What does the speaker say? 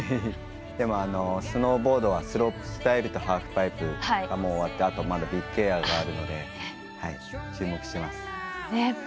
でも、スノーボードはスロープスタイルとハーフパイプがもう終わってまだビッグエアがあるので注目しています。